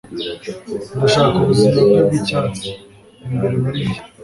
ndashaka ubuzima bwe bw'icyatsi. imbere muri njye